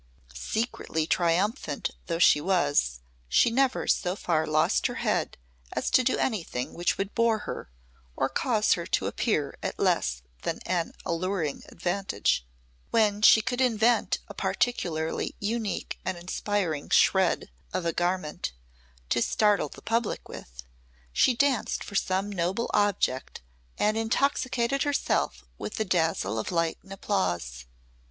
Secretly triumphant though she was, she never so far lost her head as to do anything which would bore her or cause her to appear at less than an alluring advantage. When she could invent a particularly unique and inspiring shred of a garment to startle the public with, she danced for some noble object and intoxicated herself with the dazzle of light and applause.